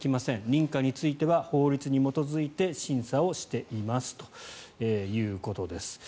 認可については法律に基づいて審査をしていますということです。